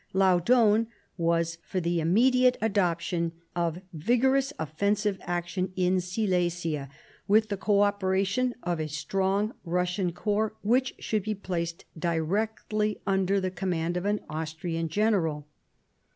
Laudon was for the immediate adoption of vigorous offensive action in Silesia, with the co operation of a strong Eussian corps which should be placed directly under the command of an Austrian general.